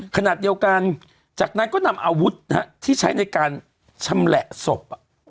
ขณะเดียวกันจากนั้นก็นำอาวุธที่ใช้ในการชำแหละศพ